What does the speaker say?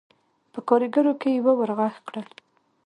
په کارېګرو کې يوه ور غږ کړل: